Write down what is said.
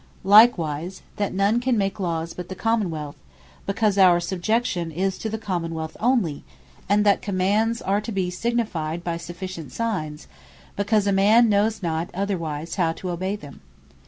Likewise, that none can make Lawes but the Common wealth; because our Subjection is to the Common wealth only: and that Commands, are to be signified by sufficient Signs; because a man knows not otherwise how to obey them.